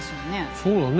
そうだね。